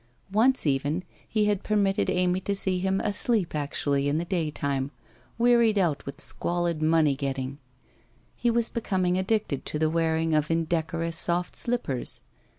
Once, even, he had permitted Amy to see him asleep actually in the daytime, wearied out with squalid money getting. He was becoming ad dicted to the wearing of indecorous soft slippers.